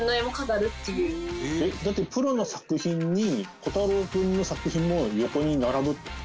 プロの作品に虎太朗君の作品も横に並ぶ？